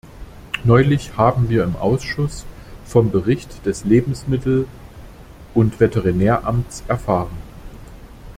Neulich haben wir im Ausschuss vom Bericht des Lebensmittel- und Veterinäramts erfahren.